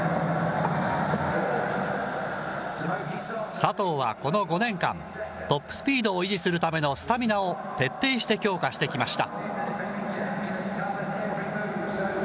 佐藤はこの５年間、トップスピードを維持するためのスタミナを徹底して強化してきました。